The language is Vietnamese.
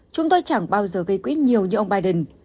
chúng tôi chẳng bao giờ gây quỹ nhiều như ông biden